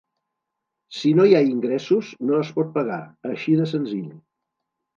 Si no hi ha ingressos, no es pot pagar, així de senzill.